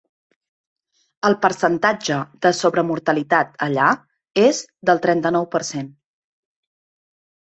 El percentatge de sobremortalitat allà és del trenta-nou per cent.